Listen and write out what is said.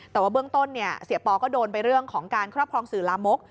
แต่ว่าเบื้องต้นเสียปอก็โดนไปเรื่องของการครอบครองสื่อลามก